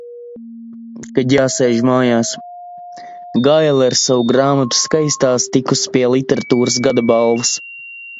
Kad jāsēž mājās. Gaile ar savu grāmatu "Skaistās" tikusi pie Literatūras gada balvas.